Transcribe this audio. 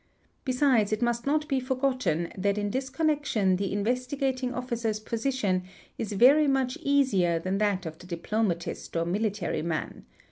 Besides it must not be forgotten that in this con nection the Investigating Officer's position is very much easier than that Bot the diplomatist or military man.